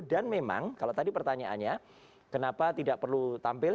dan memang kalau tadi pertanyaannya kenapa tidak perlu tampil